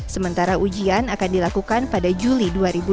sementara ujian akan dilakukan pada juli dua ribu dua puluh